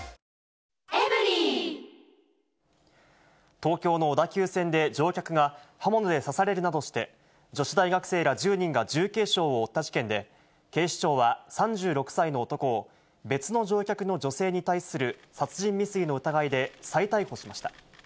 東京の小田急線で乗客が刃物で刺されるなどして、女子大学生ら１０人が重軽傷を負った事件で、警視庁は３６歳の男を、別の乗客の女性に対する殺人未遂の疑いで再逮捕しました。